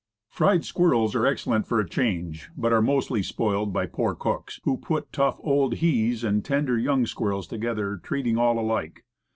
Fried squirrels are excellent for a change, but are mostly spoiled by poor cooks, who put tough old he's and tender young squirrels together, treating all alike.